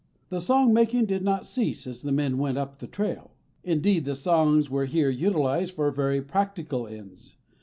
The song making did not cease as the men went up the trail. Indeed the songs were here utilized for very practical ends.